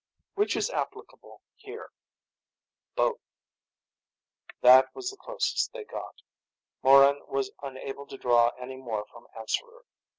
"Which is applicable here?" "Both." That was the closest they got. Morran was unable to draw any more from Answerer.